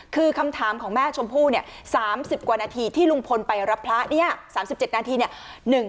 คือคำถามของแม่ชมพู่เนี่ย๓๐กว่านาทีที่ลุงพลไปรับพระเนี่ย๓๗นาทีเนี่ย